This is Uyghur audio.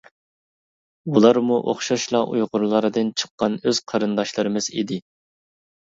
ئۇلارمۇ ئوخشاشلا ئۇيغۇرلاردىن چىققان ئۆز قېرىنداشلىرىمىز ئىدى.